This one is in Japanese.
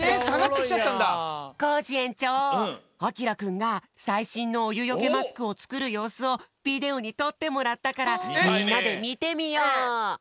あきらくんがさいしんのおゆよけマスクをつくるようすをビデオにとってもらったからみんなでみてみよう！